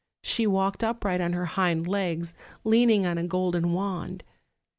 She walked upright on her hind legs, leaning on a golden wand.